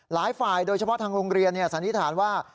หลายฝ่ายโดยเฉพาะทางโรงเรียนสันนิษฐานว่า